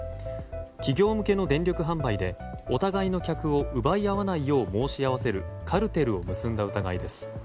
企業向けの電力販売でお互いの客を奪い合わないよう申し合わせるカルテルを結んだ疑いです。